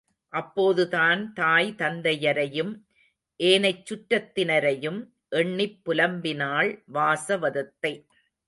அப்போதுதான் தாய் தந்தையரையும் ஏனைச் சுற்றத்தினரையும் எண்ணிப் புலம்பினாள் வாசவதத்தை.